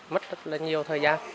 mất rất là nhiều thời gian